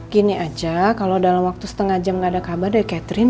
gini aja kalau dalam waktu setengah jam gak ada kabar dari catherine